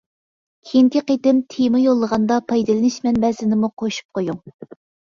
كېيىنكى قېتىم تېما يوللىغاندا پايدىلىنىش مەنبەسىنىمۇ قوشۇپ قۇيۇڭ.